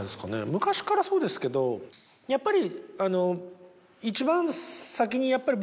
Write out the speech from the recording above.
昔からそうですけどやっぱり。